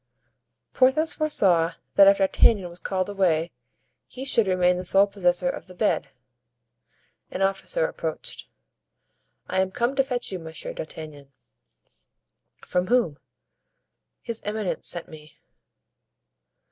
Porthos foresaw that if D'Artagnan was called away he should remain the sole possessor of the bed. An officer approached. "I am come to fetch you, Monsieur d'Artagnan." "From whom?" "His eminence sent me."